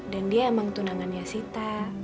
dan dia emang tunangannya sita